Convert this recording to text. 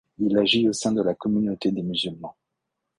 Il agit au sein de la communauté des musulmans.